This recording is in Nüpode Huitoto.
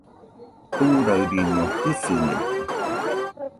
Turaɨriño jɨsɨnaite